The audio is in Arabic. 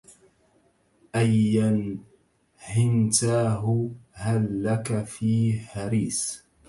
أيا هنتاه هل لك في هريس